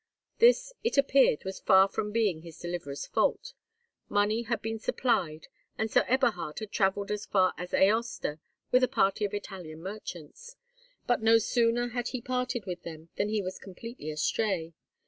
This, it appeared, was far from being his deliverer's fault. Money had been supplied, and Sir Eberhard had travelled as far as Aosta with a party of Italian merchants; but no sooner had he parted with them than he was completely astray.